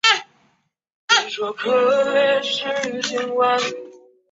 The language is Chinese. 柱冠罗汉松是罗汉松科罗汉松属罗汉松的变种。